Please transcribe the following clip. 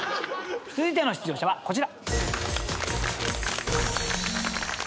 続いての出場者はこちら。